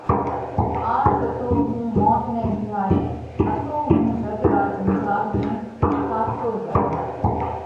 ان زتو هُون موت نئہ وِيهارِيه اتو هُون جڳ را جنجال ۾ ڦاٿتو زائِيه۔